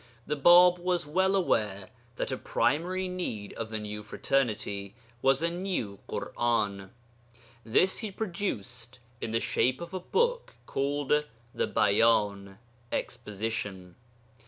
The Bāb was well aware that a primary need of the new fraternity was a new Ḳur'an. This he produced in the shape of a book called The Bayan (Exposition).